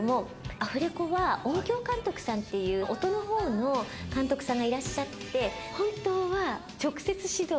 アフレコは音響監督さんっていう音のほうの監督さんがいらっしゃって本当は。